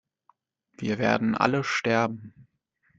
Wir werden alle sterben